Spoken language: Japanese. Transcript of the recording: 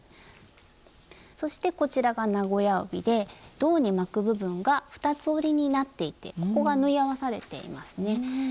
そしてこちらが名古屋帯で胴に巻く部分が二つ折りになっていてここが縫い合わされていますね。